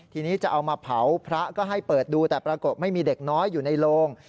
ทีนี้จะเอามาเผาพระก็ให้เปิดดูแต่ปรากฏไม่มีเด็กน้อยอยู่ในโรง